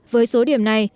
với số điểm này